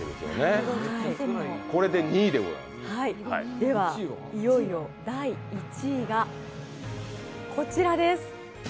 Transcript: では、いよいよ第１位がこちらです。